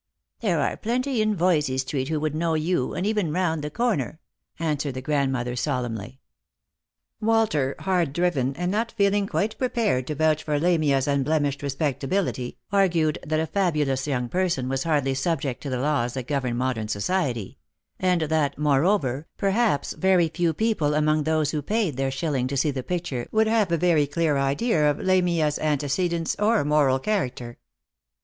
" There are plenty in Voysey street who would know you, and even round the corner," answered the grandmother solemnly. Walter, hard driven, and not feeling quite prepared to vouch for Lamia's unblemished respectability, argued that a fabulous young person was hardly subject to the laws that govern mo dern society; and that, moreover, perhaps very few people among those who paid their shilling to see the picture would have a very clear idea of Lamia's antecedents or moral character.